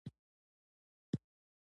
زه د سهار اوږده قدم وهلو ته میلان لرم.